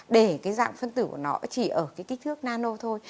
để cái dạng phân tử của nó chỉ ở cái kích thước nano thôi